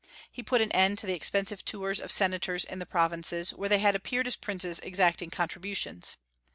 He put an end to the expensive tours of senators in the provinces, where they had appeared as princes exacting contributions.